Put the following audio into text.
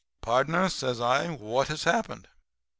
"'Pardner,' says I, 'what has happened?